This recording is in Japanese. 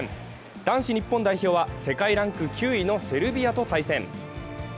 男子日本代表は世界ランク９位のセルビアと対戦。